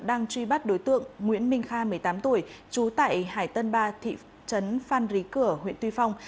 đang truy bắt đối tượng nguyễn minh kha một mươi tám tuổi trú tại hải tân ba thị trấn phan rí cửa huyện tuy phong